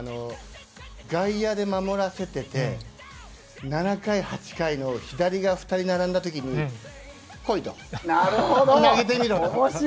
外野で守らせてて、７８回の左が２人並んだときに来いと、投げてみろと。